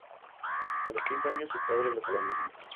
A los cinco años su padre los abandonó.